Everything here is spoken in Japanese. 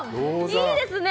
いいですね